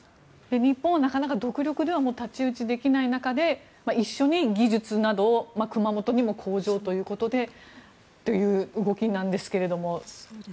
日本は独力では太刀打ちできない中で一緒に技術などを熊本にも工場などをということでの動きなんですが。